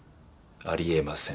ありえません。